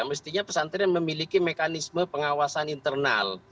mestinya pesantren memiliki mekanisme pengawasan internal